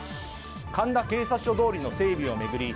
神田警察署通りの整備を巡り